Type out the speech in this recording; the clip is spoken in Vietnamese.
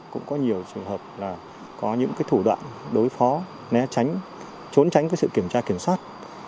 cũng có nhiều trường hợp là có những thủ đoạn đối phó né tránh trốn tránh sự kiểm tra kiểm soát